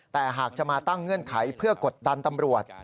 แต่หากจะมาตั้งเงื่อนไขเพื่อกดดันตำรวจ